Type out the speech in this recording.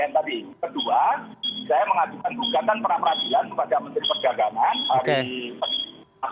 kedua saya mengajukan kegiatan perapradian kepada menteri perjalanan